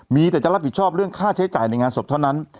มีแต่จะรับผิดชอบเรื่องค่าใช้จ่ายในงานศพเท่านั้น